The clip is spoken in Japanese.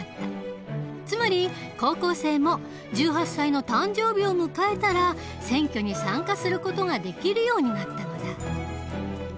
つまり高校生も１８歳の誕生日を迎えたら選挙に参加する事ができるようになったのだ。